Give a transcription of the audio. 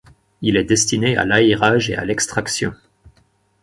Il est destiné à l'aérage et à l'extraction.